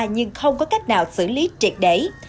nhưng không có cách nào xử lý triệt đẩy